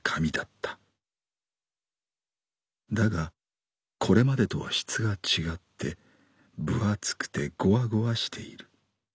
だがこれまでとは質が違って分厚くてごわごわしている。